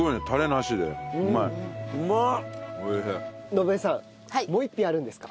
順恵さんもう一品あるんですか？